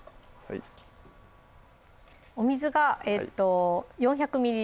お水が４００ｍｌ